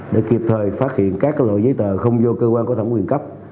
để kịp thời phát hiện các loại giấy tờ không do cơ quan có thẩm quyền cấp